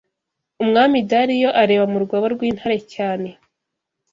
Umwami Dariyo areba mu rwobo rw’intare cyane